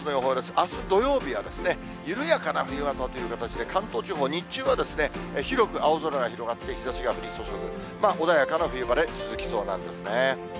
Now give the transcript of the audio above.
あす土曜日は緩やかな冬型という形で、関東地方、日中は、広く青空が広がって、日ざしが降り注ぐ、穏やかな冬晴れ続きそうなんですね。